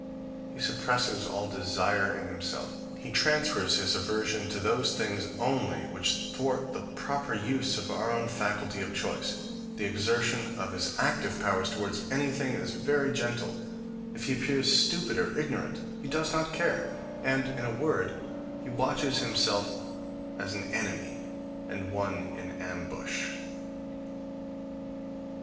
He suppresses all desire in himself; he transfers his aversion to those things only which thwart the proper use of our own faculty of choice; the exertion of his active powers towards anything is very gentle; if he appears stupid or ignorant, he does not care, and, in a word, he watches himself as an enemy, and one in ambush.